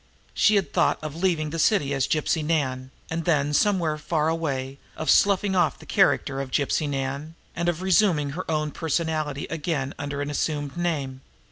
She had thought of leaving the city as Gypsy Nan, and then somewhere far away, of sloughing off the character of Gypsy Nan, and of resuming her own personality again under an assumed name.